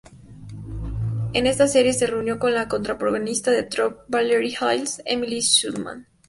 En esta serie se reunió con la coprotagonista de "Troop Beverly Hills", Emily Schulman.